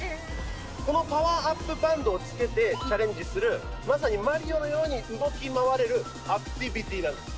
このパワーアップバンドを着けてチャレンジするまさにマリオのように動き回れるアクティビティーなんです。